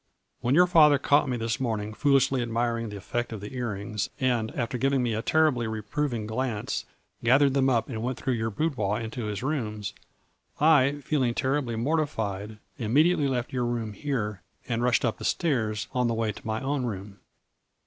When your father caught me this morning foolishly admiring the effect 112 A FLunnr in diamonds. of the ear rings and, after giving me a terribly reproving glance, gathered them up and went through your boudoir into his rooms, I, feeling terribly mortified, immediately left your room here and rushed up the stairs on the way to my own room.